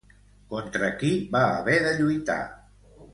Contra qui va haver de lluitar?